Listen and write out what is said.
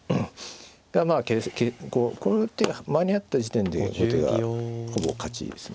まあこうこの手が間に合った時点で後手がほぼ勝ちですね。